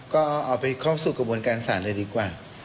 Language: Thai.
ก็เอาไปเข้าสู่กระบวนการศาลเลยดีกว่า